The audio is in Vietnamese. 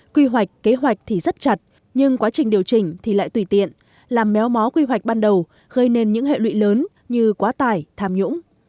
quy hoạch kế hoạch thì rất chặt nhưng quá trình điều chỉnh thì lại tùy tiện làm méo mó quy hoạch ban đầu gây nên những hệ lụy lớn như quá tải tham nhũng